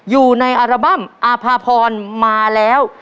อยู่ในอารบัมอภพรมาแล้ว